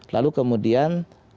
lalu kemudian ada sholat isya berjamaah